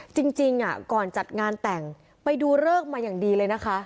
จริงก่อนจัดงานแต่งไปดูเลิกมาอย่างดีเลยนะคะ